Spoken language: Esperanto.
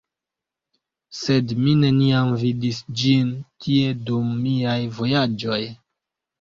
Sed mi neniam vidis ĝin tie dum miaj vojaĝoj.